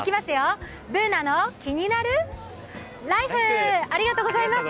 「ＢｏｏｎａのキニナルＬＩＦＥ」ありがとうございます！